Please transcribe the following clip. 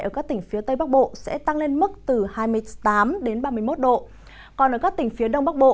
ở các tỉnh phía tây bắc bộ sẽ tăng lên mức từ hai mươi tám đến ba mươi một độ còn ở các tỉnh phía đông bắc bộ